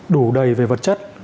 đủ đầy về vật chất